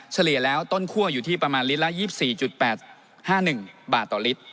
เฉลี่ยแล้วต้นคั่วอยู่ที่ประมาณลิตรละ๒๔๘๕๑บาทต่อลิตร